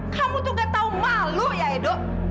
kamu tuh gak tahu malu ya edo